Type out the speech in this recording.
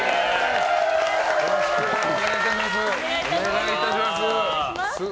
よろしくお願いします。